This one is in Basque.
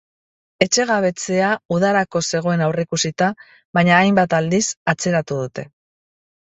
Etxegabetzea udarako zegoen aurreikusita, baina hainbat aldiz atzeratu dute.